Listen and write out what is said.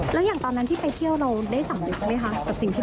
หรือว่าเขาไปเที่ยวปกติ